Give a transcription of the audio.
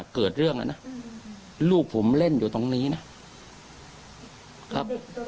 เกิดเรื่องแล้วนะลูกผมเล่นอยู่ตรงนี้นะครับ